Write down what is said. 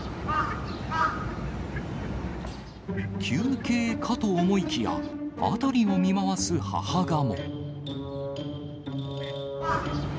休憩かと思いきや、辺りを見回す母ガモ。